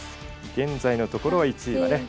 現在のところは１位がね